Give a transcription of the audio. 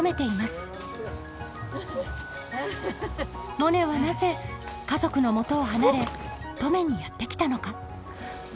モネはなぜ家族のもとを離れ登米にやって来たのか。